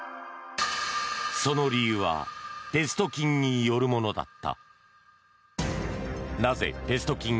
その理由はペスト菌によるものだった。